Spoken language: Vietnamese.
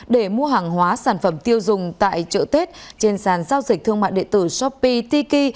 để mua hàng hóa sản phẩm tiêu dùng tại chợ tết trên sàn giao dịch thương mại địa tử shopee tiki